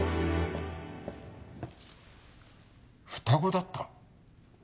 双子だった？